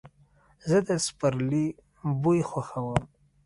زه د سپرلي بوی خوښوم.